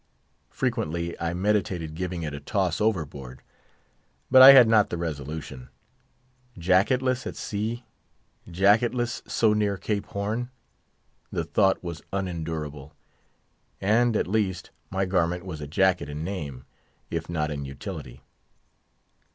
Frequently, I meditated giving it a toss overboard; but I had not the resolution. Jacketless at sea! Jacketless so near Cape Horn! The thought was unendurable. And, at least, my garment was a jacket in name, if not in utility.